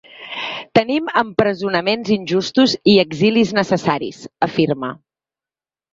Tenim empresonaments injustos i exilis necessaris, afirma.